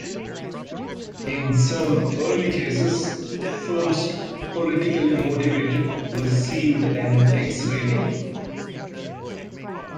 In some early cases, films politically motivated received an X rating.